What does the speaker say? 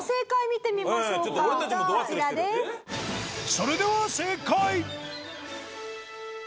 それでは正解